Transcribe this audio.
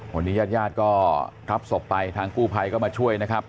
วันนี้ญาติญาติก็รับศพไปทางกู้ภัยก็มาช่วยนะครับ